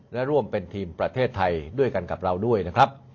และร่วมเป็นทีมประเทศไทยด้วยกันกับเราด้วยนะครับ